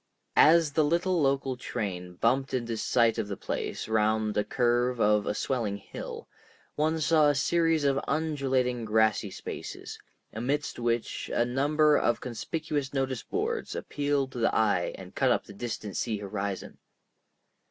As the little local train bumped into sight of the place round the curve of a swelling hill, one saw a series of undulating grassy spaces, amidst which a number of conspicuous notice boards appealed to the eye and cut up the distant sea horizon.